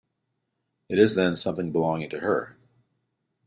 It is, then, something belonging to her.